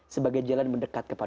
sebagai jalan mendekatkanmu